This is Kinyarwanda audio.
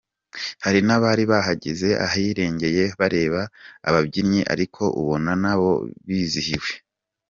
Hari n’abari bahagaze ahirengeye bareba ababyina, ariko ubona nabo bizihiwe.